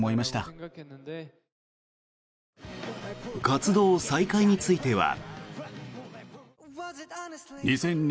活動再開については。